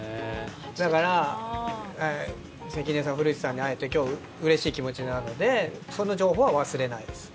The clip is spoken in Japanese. だから関根さん、古市さんに会えて今日はうれしい気持ちなのでその情報は忘れないです。